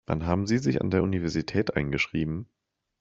Wann haben Sie sich an der Universität eingeschrieben?